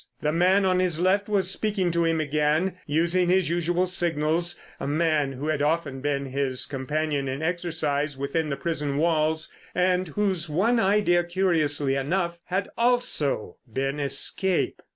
The man on his left was speaking to him again—using his usual signals—a man who had often been his companion in exercise within the prison walls and whose one idea, curiously enough, had also been escape.